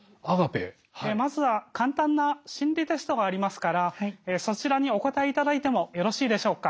まずは簡単な心理テストがありますからそちらにお答えいただいてもよろしいでしょうか？